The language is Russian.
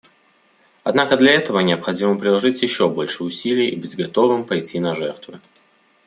Однако для этого необходимо приложить еще больше усилий и быть готовым пойти на жертвы.